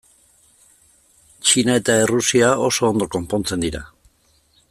Txina eta Errusia oso ondo konpontzen dira.